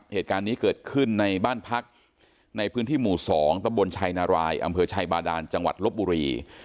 เหตุการณ์นี้เกิดขึ้นในบ้านพักในพื้นที่หมู่๒ตะบนชัยนารายอำเภอชัยบาดานจังหวัดลบบุรี